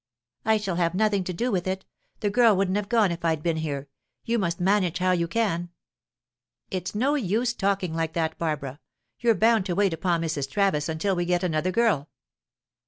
"I shall have nothing to do with it. The girl wouldn't have gone if I'd been here. You must manage how you can." "It's no use talking like that, Barbara. You're bound to wait upon Mrs. Travis until we get another girl."